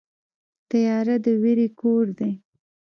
تیاره د وېرې کور دی.